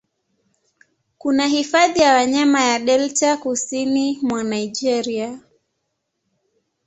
Kuna hifadhi ya wanyama ya Delta kusini mwa Naigeria